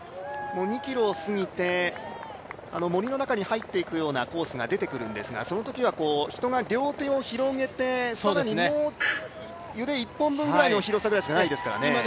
２ｋｍを過ぎて、森の中に入っていくようなコースが出てくるんですが、そのときは人が両手を広げて更に腕もう一本ぐらいの幅しかないですからね。